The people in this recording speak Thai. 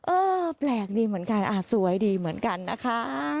เออแปลกดีเหมือนกันสวยดีเหมือนกันนะคะ